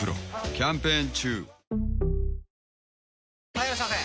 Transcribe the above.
・はいいらっしゃいませ！